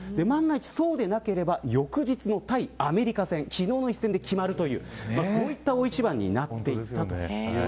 そうでなければ翌日の対アメリカ戦昨日の一戦で決まるという大一番になっていました。